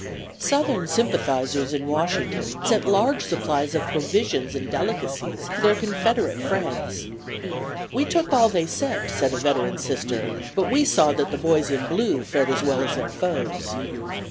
'" "Southern sympathizers in Washington sent large supplies of provisions and delicacies for their Confederate friends. 'We took all they sent,' said a veteran Sister, 'but we saw that the boys in blue fared as well as their foes.